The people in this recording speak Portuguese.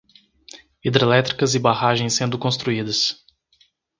Hidrelétricas e barragens sendo construídas